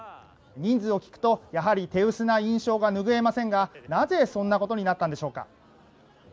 人数を聞くとやはり手薄な印象がぬぐえませんがなぜそんなことになったんでしょうか。